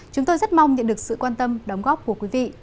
chúng tôi rất mong nhận được sự quan tâm đóng góp của quý vị